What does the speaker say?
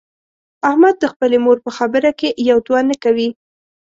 احمد د خپلې مور په خبره کې یو دوه نه کوي.